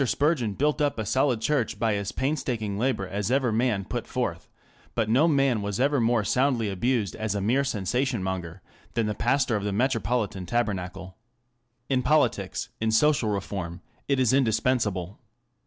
Spurgeon built up a solid church by as painstaking labour as ever man put forth, but no man was ever more soundly abused as a mere sensation monger than the pastor of the Metropolitan Tabernacle. In politics, in social reform, it is indispensable.